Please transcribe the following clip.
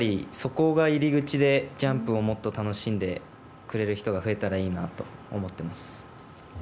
そこが入り口でジャンプをもっと楽しんでくれる人が増えたらいいなと思ってます。